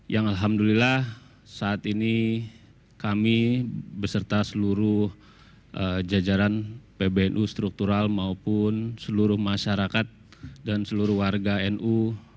yang alhamdulillah saat ini kami beserta seluruh jajaran pbnu struktural maupun seluruh masyarakat dan seluruh warga nu